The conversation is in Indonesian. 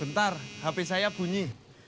bentar hp saya bunyi